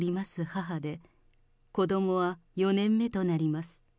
母で、子どもは４年目となります。